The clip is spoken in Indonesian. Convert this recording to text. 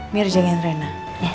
mir jagain reina